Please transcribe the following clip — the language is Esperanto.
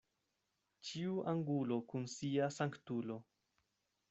Ĉiu angulo kun sia sanktulo.